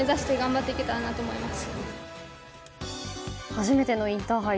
初めてのインターハイ